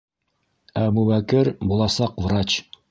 Әбүбәкер буласаҡ врач.